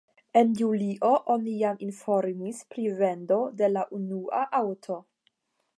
En julio oni jam informis pri vendo de la unua aŭto.